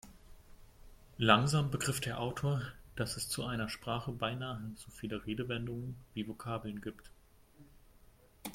Langsam begriff der Autor, dass es zu einer Sprache beinahe so viele Redewendungen wie Vokabeln gibt.